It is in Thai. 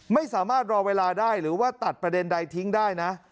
ไม่สามารถรอเวลาได้หรือว่าตัดประเด็นใดทิ้งได้นะ